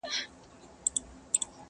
یو وخت ژمی وو او واوري اورېدلې..